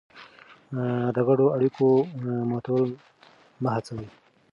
د ګډو اړیکو ماتول مه هڅوه.